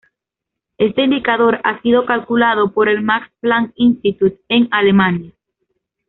Este indicador ha sido calculado por el Max Planck Institute, en Alemania.